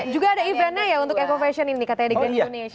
juga ada eventnya ya untuk eco fashion ini katanya dengan indonesia